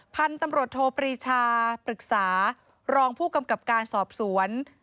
พันธุ์ตำรวจโทปรีชาปรึกษารองผู้กำกับการสอบสวน